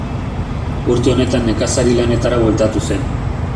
Urte honetan nekazari lanetara bueltatu zen.